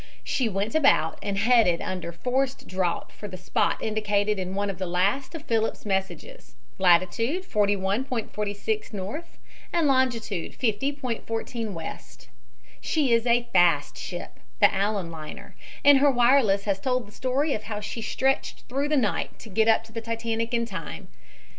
She went about and headed under forced draught for the spot indicated in one of the last of Phillips' messages latitude 41.46 N. and longitude 50.14 W. She is a fast ship, the Allan liner, and her wireless has told the story of how she stretched through the night to get up to the Titanic in time.